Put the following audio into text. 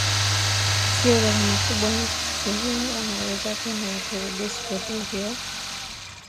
sio gharama kubwa ni sehemu unaweza kwenda na kurudi siku hiyo hiyo